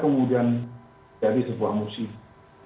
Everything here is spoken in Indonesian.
tapi kalau misalnya jadi sebuah kebakaran